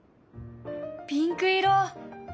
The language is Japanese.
ピンク色！